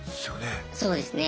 そうですね。